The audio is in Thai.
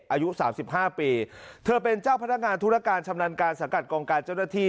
อายุสามสิบห้าปีเธอเป็นเจ้าพนักงานธุรการชำนาญการสังกัดกองการเจ้าหน้าที่